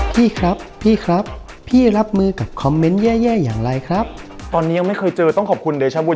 ตอนนี้ยังไม่เคยเจอต้องขอบคุณเดชาบุญ